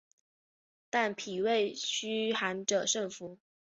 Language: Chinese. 但脾胃虚寒者慎服。